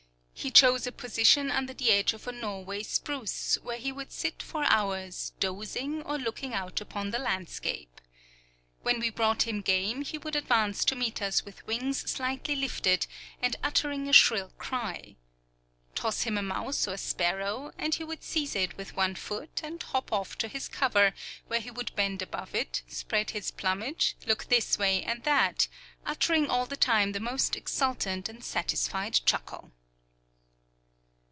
He chose a position under the edge of a Norway spruce, where he would sit for hours dozing, or looking out upon the landscape. When we brought him game, he would advance to meet us with wings slightly lifted, and uttering a shrill cry. Toss him a mouse or sparrow, and he would seize it with one foot and hop off to his cover, where he would bend above it, spread his plumage, look this way and that, uttering all the time the most exultant and satisfied chuckle.